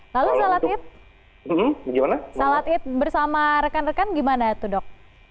lalu salat id bersama rekan rekan gimana tuh dok